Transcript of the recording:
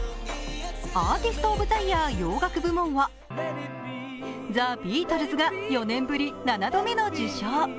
アーティスト・オブ・ザ・イヤー洋楽部門はザ・ビートルズが４年ぶり７度目の受賞。